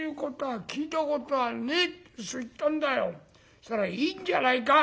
そしたら『いいんじゃないか。